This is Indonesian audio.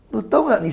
lu tau gak nih